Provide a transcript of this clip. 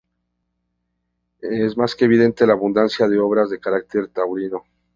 Es más que evidente la abundancia de obras de carácter taurino.